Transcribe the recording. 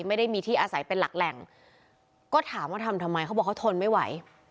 ไม่ได้มีที่อาศัยเป็นหลักแหล่งก็ถามว่าทำทำไมเขาบอกเขาทนไม่ไหว